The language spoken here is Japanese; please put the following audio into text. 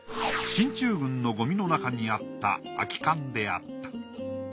進駐軍のゴミの中にあった空き缶であった。